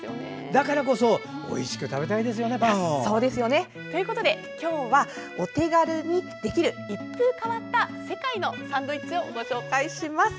だからこそおいしく食べたいですよね、パン。ということで今日はお手軽にできる一風変わった世界のサンドイッチをご紹介します。